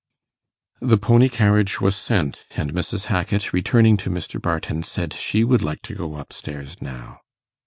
The pony carriage was sent; and Mrs. Hackit, returning to Mr. Barton, said she would like to go up stairs now.